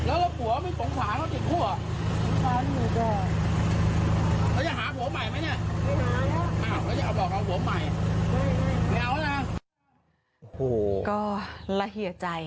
โอ้โหละเหี่ยใจ